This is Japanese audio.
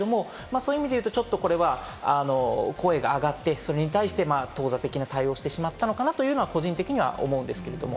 そういう意味ではここは声が上がって、当座的な対応をしてしまったのかなというのが個人的に思うんですけれども。